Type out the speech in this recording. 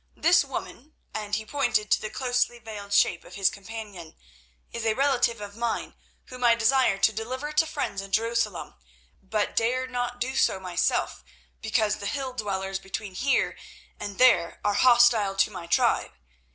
This woman," and he pointed to the closely veiled shape of his companion, "is a relative of mine whom I desire to deliver to friends in Jerusalem, but dare not do so myself because the hilldwellers between here and there are hostile to my tribe.